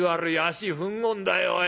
足ふんごんだよおい。